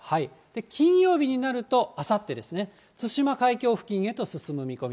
金曜日になると、あさってですね、対馬海峡付近へと進む見込み。